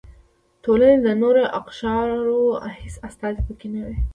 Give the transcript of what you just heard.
ټولنې د نورو اقشارو هېڅ استازي پکې نه و.